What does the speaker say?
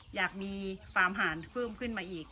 อยากมีฟาร์มหาญขึ้นลงไปอีก